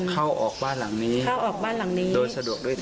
เข้าออกบ้านหลังนี้โดยสะดวกด้วยเธอ